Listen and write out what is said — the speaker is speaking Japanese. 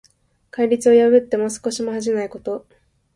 戒律を破っても少しも恥じないこと。